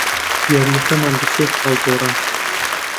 یارییەکەمان بە سێ خاڵ دۆڕاند.